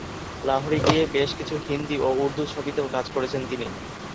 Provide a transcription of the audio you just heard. লাহোরে গিয়ে বেশ কিছু হিন্দি ও উর্দু ছবিতেও কাজ করেছেন তিনি।